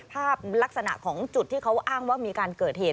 ภาพลักษณะของจุดที่เขาอ้างว่ามีการเกิดเหตุ